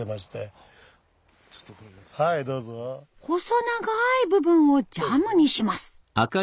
細長い部分をジャムにします。